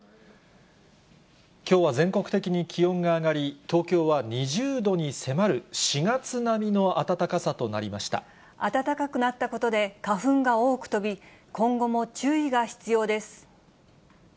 きょうは全国的に気温が上がり、東京は２０度に迫る、暖かくなったことで、花粉が多く飛び、今後も注意が必要です。